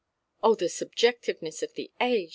"Oh the subjectiveness of the age"!